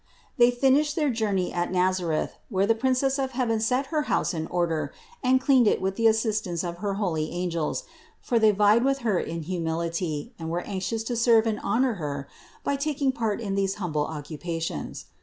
They finished their journey at Nazareth, where the Princess of heaven set her house in order and cleaned it with the assistance of her holy angels, for they vied with Her in humility and were anxious to serve and honor Her by taking part in these humble occupations.